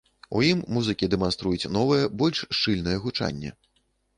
У ім музыкі дэманструюць новае, больш шчыльнае гучанне.